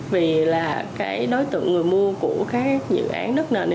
vì là cái đối tượng người mua của các dự án đất nền